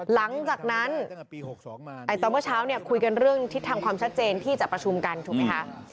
หลังจากนั้นตอนเมื่อเช้าเนี่ยคุยกันเรื่องทิศทางความชัดเจนที่จะประชุมกันถูกไหมคะ